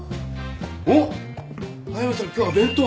おっ速見さん今日は弁当？